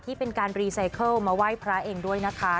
ที่เป็นการรีไซเคิลมาไหว้พระเองด้วยนะคะ